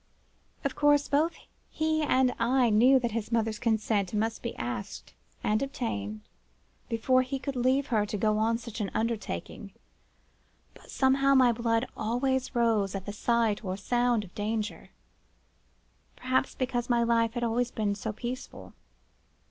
Of coarse, both he and I knew that his mother's consent must be asked and obtained, before he could leave her to go on such an undertaking; but, somehow, my blood always rose at the sight or sound of danger; perhaps, because my life had been so peaceful.